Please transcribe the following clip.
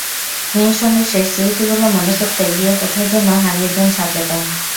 মেয়ের সঙ্গে শেষ স্মৃতিগুলো মনে করতে গিয়ে কোথায় যেন হারিয়ে যান সাজেদা।